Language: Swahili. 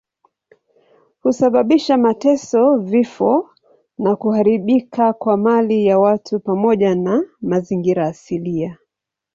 Husababisha mateso, vifo na kuharibika kwa mali ya watu pamoja na mazingira asilia.